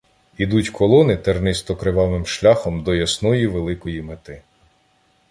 Ідуть колони тернисто-кривавим шляхом до ясної великої Мети.